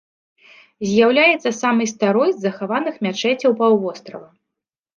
З'яўляецца самай старой с захаваных мячэцяў паўвострава.